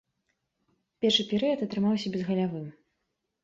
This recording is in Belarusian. Першы перыяд атрымаўся безгалявым.